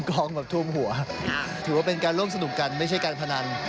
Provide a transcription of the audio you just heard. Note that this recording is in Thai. กองแบบท่วมหัวถือว่าเป็นการร่วมสนุกกันไม่ใช่การพนัน